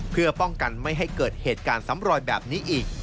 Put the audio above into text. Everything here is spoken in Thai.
เพื่อป้องกันไม่ให้เกิดเหตุการณ์ซ้ำรอยแบบนี้อีก